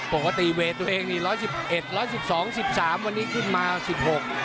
ปกติเวย์ตัวเองนี่ร้อยสิบเอ็ดร้อยสิบสองสิบสามวันนี้ขึ้นมาสิบหก